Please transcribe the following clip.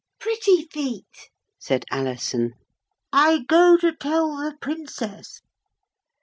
'Pretty feet,' said Alison. 'I go to tell the Princess.'